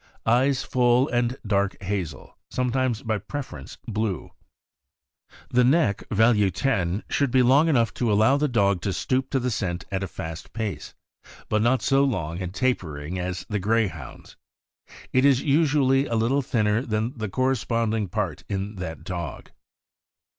Eyes full and dark hazel; sometimes, by preference, blue. The neck (value 10) should be long enough to allow the dog to stoop to the scent at a fast pace, but not so long and tapering as the Greyhound's. It is usually a little thinner than the corresponding part in that dog.